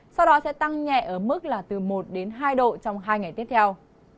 sau đó sẽ tăng nhẹ ở mức từ một hai độ trong hai ngày tiếp theo